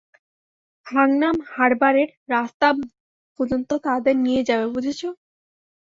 হাংনাম হারবারের রাস্তা পর্যন্ত তাদের নিয়ে যাবে, বুঝেছো?